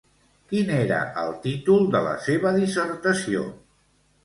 Quin era el títol de la seva dissertació?